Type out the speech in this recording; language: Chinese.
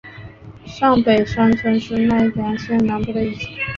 上北山村是奈良县南部的一村。